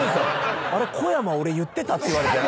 「小山俺言ってた？」って言われて。